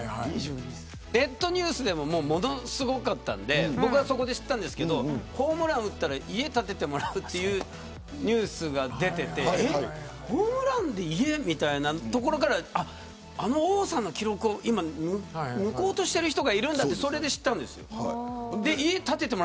ネットニュースでもものすごかったので僕はそこで知ったんですがホームランを打ったら家建ててもらうというニュースが出ていてホームランで家みたいなところからあの王さんの記録を抜こうとしている人がいるんだとそれで知りました。